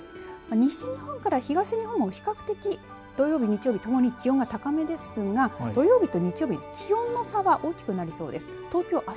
西日本から東日本は、比較的土曜日、日曜日ともに気温が高めですが土曜日と日曜日に気温の差が大きくなりそうです。